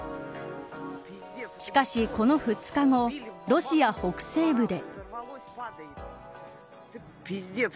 しかし、この２日後ロシア北西部で。